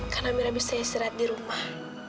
karena amira bisa istirahat di rumah